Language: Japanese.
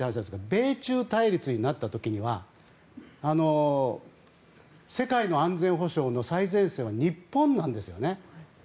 米中対立になった時には世界の安全保障の最前線は日本なんですよね。